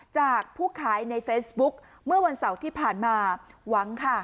จากผู้ขายในเฟซบุ๊คเมื่อวันเสาร์ที่ผ่านมาหวังค่ะ